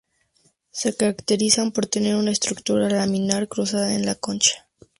Se caracterizan por tener una estructura laminar cruzada en la concha.